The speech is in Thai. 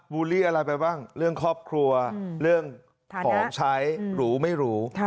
ูลลี่อะไรไปบ้างเรื่องครอบครัวเรื่องของใช้หรูไม่รู้